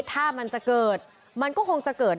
ถ้ามันจะเกิด